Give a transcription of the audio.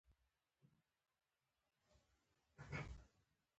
مذهبي سياست ته راغے